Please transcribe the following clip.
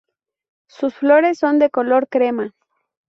Sus flores son de color crema.